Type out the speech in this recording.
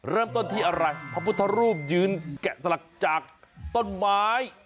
เริ่มต้นที่อะไรพระพุทธรูปยืนแกะสลักจากต้นไม้